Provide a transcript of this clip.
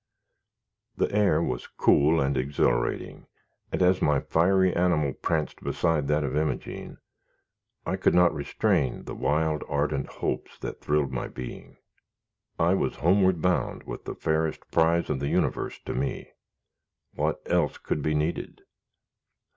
] The air was cool and exhilarating, and, as my fiery animal pranced beside that of Imogene, I could not restrain the wild, ardent hopes that thrilled my being. I was homeward bound with the fairest prize of the universe to me. What else could be needed?